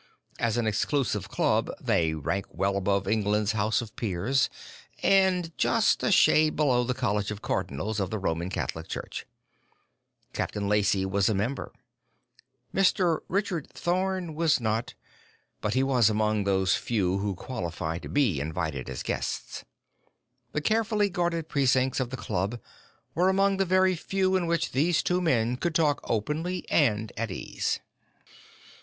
As an exclusive club, they rank well above England's House of Peers and just a shade below the College of Cardinals of the Roman Catholic Church. Captain Lacey was a member. Mr. Richard Thorn was not, but he was among those few who qualify to be invited as guests. The carefully guarded precincts of the club were among the very few in which these two men could talk openly and at ease.